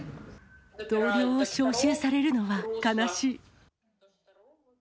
同僚を招集されるのは悲しい。